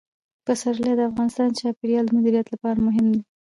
پسرلی د افغانستان د چاپیریال د مدیریت لپاره مهم دي.